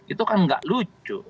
itu kan gak lucu